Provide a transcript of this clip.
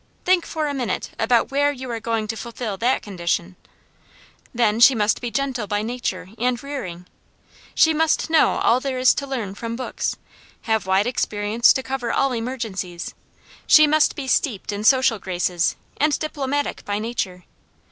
Think for a minute about where you are going to fulfil that condition. Then she must be gentle by nature, and rearing. She must know all there is to learn from books, have wide experience to cover all emergencies, she must be steeped in social graces, and diplomatic by nature.